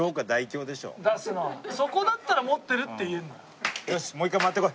そこだったら持ってるって言えるのよ。